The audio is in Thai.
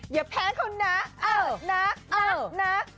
อย่าแพ้คุณนักนักนัก